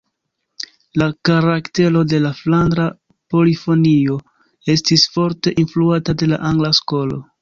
La karaktero de la flandra polifonio estis forte influata de la Angla Skolo.